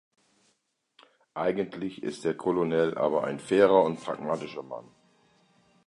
Eigentlich ist der Colonel aber ein fairer und pragmatischer Mann.